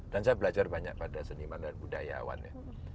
dan saya belajar banyak pada seniman dan budayawan ya